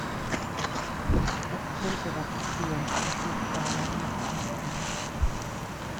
Das könnte dazu führen, dass mit zweierlei Maß gemessen wird.